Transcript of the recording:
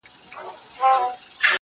له هنداري څه بېــخاره دى لوېـــدلى.